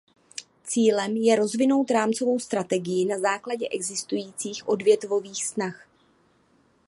Cílem je rozvinout rámcovou strategii na základě existujících odvětvových snah.